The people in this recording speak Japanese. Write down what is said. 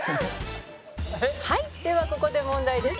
「はいではここで問題です」